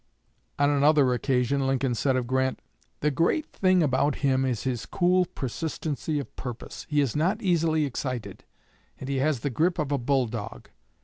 On another occasion Lincoln said of Grant: "The great thing about him is his cool persistency of purpose. He is not easily excited, and he has the grip of a bulldog.